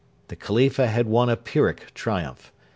The Khalifa had won a Pyrrhic triumph.